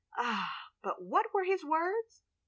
Ah, but what were his words